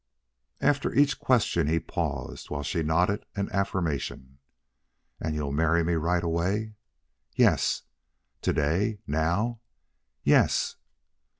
After each question he paused, while she nodded an affirmation. "And you'll marry me right away?" "Yes." "To day? Now?" "Yes."